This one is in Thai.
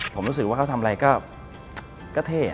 ผมรู้สึกว่าเขาทำอะไรก็เท่